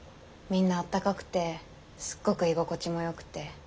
みんなあったかくてすっごく居心地もよくて。